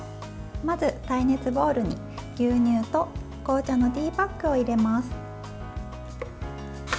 まず、耐熱ボウルに牛乳と紅茶のティーパックを入れます。